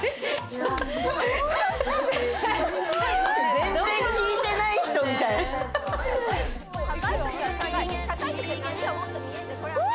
全然聞いてない人みたいハハハ。